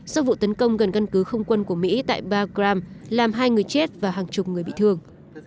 sau vụ tấn công gần căn cứ không quân của mỹ tại bagram làm hai người chết và hàng chục người bị thương